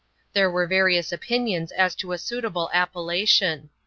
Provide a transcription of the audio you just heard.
There were various opinions as to a suitable appellation.